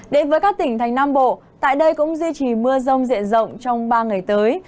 đến với các tỉnh thành nam bộ tại đây cũng duy trì mưa rông diện rộng trong ba ngày tới